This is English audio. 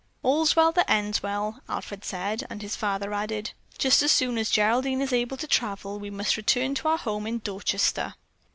"All's well that ends well!" Alfred said, and his father added: "Just as soon as Geraldine is able to travel, we must return to our home in Dorchester."